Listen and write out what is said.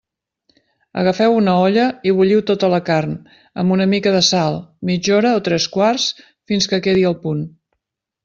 Agafeu una olla i bulliu tota la carn, amb una mica de sal, mitja hora o tres quarts fins que quedi al punt.